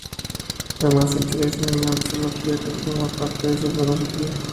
Además, se interesa en la astrología, que forma parte de su filosofía.